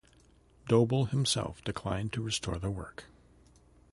Dobell himself declined to restore the work.